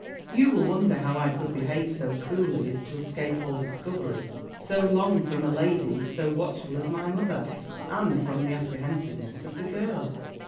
"You will wonder how I could behave so coolly as to escape all discovery so long from a lady so watchful as my mother, and from the apprehensiveness of the girl.